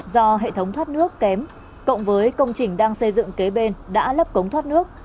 do hệ thống thoát nước kém cộng với công trình đang xây dựng kế bên đã lắp cống thoát nước